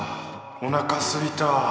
おなかすいたぁ。